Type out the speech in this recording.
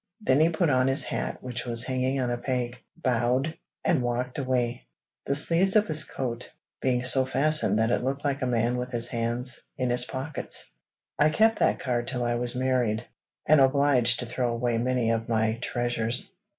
Then he put on his hat which was hanging on a peg, bowed and walked away, the sleeves of his coat being so fastened that he looked like a man with his hands in his pockets. I kept that card till I was married, and obliged to throw away many of my treasures.